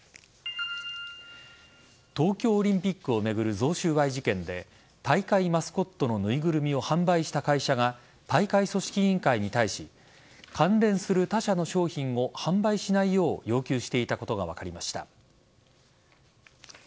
東京オリンピックを巡る贈収賄事件で大会マスコットの縫いぐるみを販売した会社が大会組織委員会に対し関連する他社の商品を販売しないよう要求していたことが分かりました。